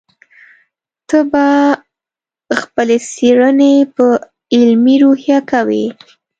ته به خپلې څېړنې په علمي روحیه کوې.